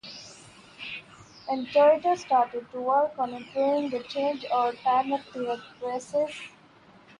And Toyota started to work on improving the changeover time of their presses.